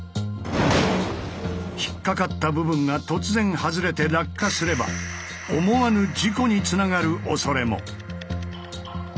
引っ掛かった部分が突然外れて落下すれば思わぬ事故につながるおそれも。